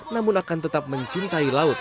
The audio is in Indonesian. namun akan tetap mencintai laut